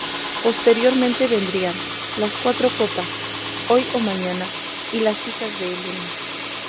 Posteriormente vendrían "Las cuatro copas", "Hoy o mañana" y "Las hijas de Helena".